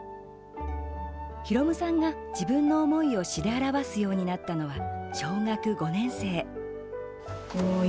宏夢さんが自分の思いを詩で表すようになったのは小学５年生。